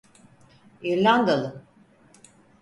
İrlandalı…